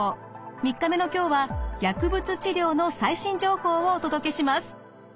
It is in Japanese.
３日目の今日は薬物治療の最新情報をお届けします。